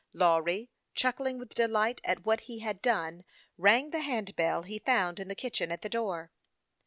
Lawry, chuckling with delight at what he had done, rang the hand bell he found in the kitchen, at the door.